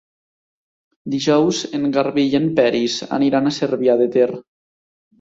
Dijous en Garbí i en Peris aniran a Cervià de Ter.